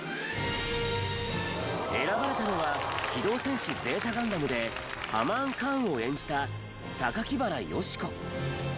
選ばれたのは『機動戦士Ｚガンダム』でハマーン・カーンを演じた榊原良子。